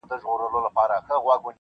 خدایه بیرته هغه تللی بیرغ غواړم -